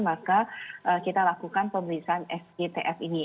maka kita lakukan pemeriksaan sgtf ini